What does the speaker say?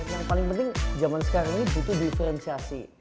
yang paling penting zaman sekarang ini butuh diferensiasi